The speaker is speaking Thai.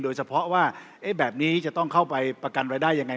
โดยเฉพาะว่าแบบนี้จะต้องเข้าไปประกันรายได้ยังไง